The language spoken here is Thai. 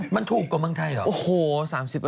มันถูกกว่าเมืองไทยเหรอ